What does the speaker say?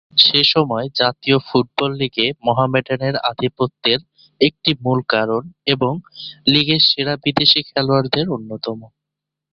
সেসময়ের জাতীয় ফুটবল লীগে মোহামেডানের আধিপত্যের একটি মুল কারণ, এবং লীগের সেরা বিদেশী খেলোয়াড়দের অন্যতম।